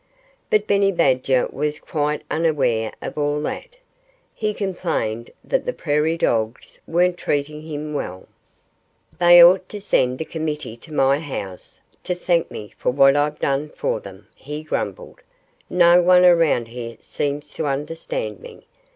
But Benny Badger was quite unaware of all that. He complained that the prairie dogs weren't treating him well. "They ought to send a committee to my house to thank me for what I've done for them," he grumbled. "No one around here seems to understand me.